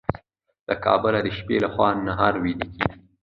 له کبله د شپې لخوا نهر ويده کيږي.